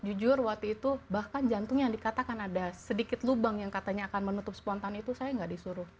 jujur waktu itu bahkan jantung yang dikatakan ada sedikit lubang yang katanya akan menutup spontan itu saya nggak disuruh